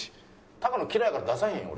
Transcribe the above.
高野嫌いやから出さへんよ俺。